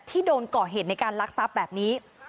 ที่โดนก่อเหตุในการรักษาแบบนี้